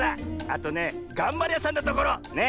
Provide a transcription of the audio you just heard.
あとねがんばりやさんなところ。ね。